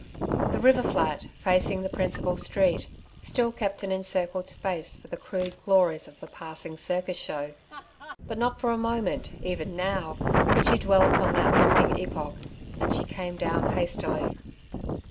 The river flat facing the principal street still kept an encircled space for the crude glories of the passing circus show. But not for a moment even now could she dwell upon that mocking epoch, and she came down hastily.